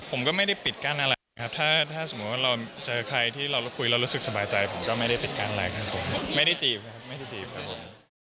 ผมก็ไม่ได้ปิดการอะไรครับถ้าถ้าสมมุติว่าเราเจอใครที่เราคุยแล้วรู้สึกสบายใจผมก็ไม่ได้ปิดการอะไรครับผมไม่ได้จีบครับผม